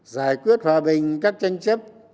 giải quyết hòa bình các tranh chấp